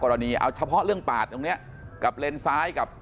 กรณีเฉพาะเรื่องปะดนี้กับเล่นซ้ายกับ